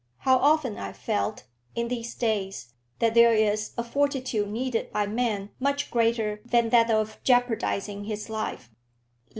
How often I felt, in these days, that there is a fortitude needed by man much greater than that of jeopardising his life!